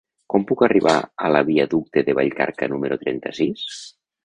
Com puc arribar a la viaducte de Vallcarca número trenta-sis?